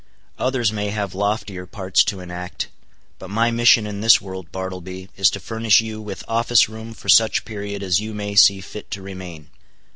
Others may have loftier parts to enact; but my mission in this world, Bartleby, is to furnish you with office room for such period as you may see fit to remain.